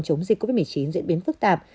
chống dịch covid một mươi chín diễn biến phức tạp